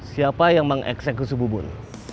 siapa yang mengeksekusi bubun